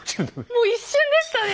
もう一瞬でしたね。